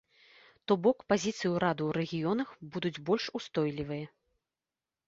То бок, пазіцыі ўраду ў рэгіёнах будуць больш устойлівыя.